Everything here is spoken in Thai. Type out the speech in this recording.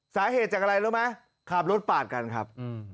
สาเหตุจากอะไรรู้ไหมขับรถปาดกันครับ